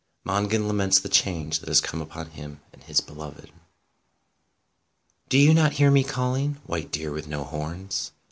MONGAN LAMENTS THE CHANGE THAT HAS COME UPON HIM AND HIS BELOVED Do you not hear me calling, white deer with no horns